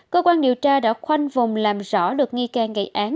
cơ quan điều tra đã khoanh vùng làm rõ được nghi can gây án